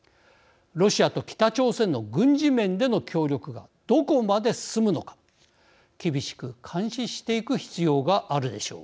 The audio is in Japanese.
ロシアと北朝鮮の軍事面での協力がどこまで進むのか厳しく監視していく必要があるでしょう。